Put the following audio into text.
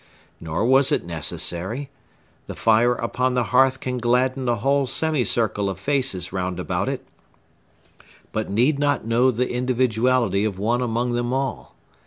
Nor was it necessary. The fire upon the hearth can gladden a whole semicircle of faces round about it, but need not know the individuality of one among them all.